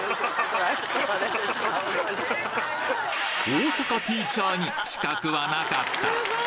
大阪ティーチャーに死角はなかった！